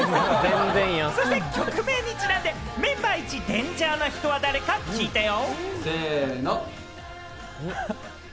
そして曲名にちなんで、メンバーいちデンジャーな人は誰か聞いたよ。